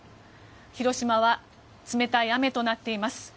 広島は冷たい雨となっています。